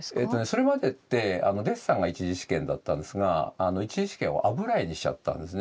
それまでってデッサンが１次試験だったんですが１次試験を油絵にしちゃったんですね。